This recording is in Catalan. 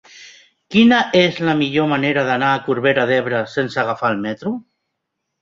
Quina és la millor manera d'anar a Corbera d'Ebre sense agafar el metro?